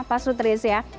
pak sutris ya